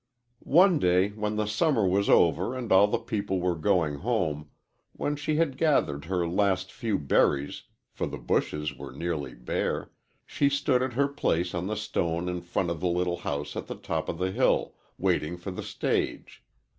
"One day, when the summer was over and all the people were going home when she had gathered her last few berries, for the bushes were nearly bare she stood at her place on the stone in front of the little house at the top of the hill, waiting for the stage.